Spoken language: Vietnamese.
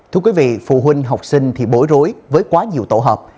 thưa quý vị phụ huynh học sinh thì bối rối với quá nhiều tổ hợp